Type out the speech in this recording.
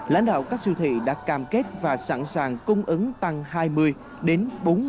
lãnh đạo các siêu thị đã cam kết và sẵn sàng cung ứng tăng hai mươi đến bốn mươi